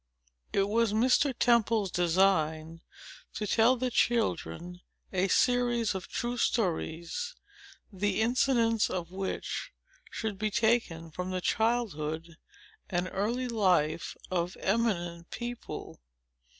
It was Mr. Temple's design to tell the children a series of true stories, the incidents of which should be taken from the childhood and early life of eminent people.